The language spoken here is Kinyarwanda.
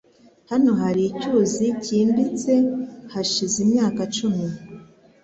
Hano hari icyuzi cyimbitse hashize imyaka icumi.